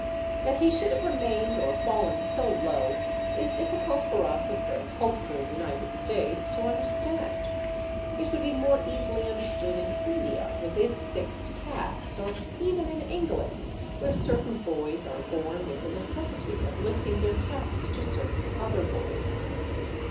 That he should have remained or fallen so low is difficult for us of the hopeful United States to understand; it would be more easily understood in India with its fixed castes, or even in England, where certain boys are born with the necessity of lifting their caps to certain other boys.